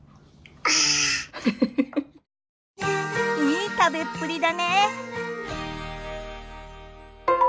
いい食べっぷりだね。